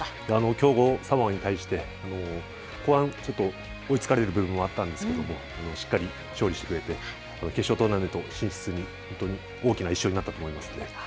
強豪サモアに対して後半ちょっと追いつかれる部分もあったんですけどしっかり勝利してくれて決勝トーナメント進出に大きな１勝になったと思います。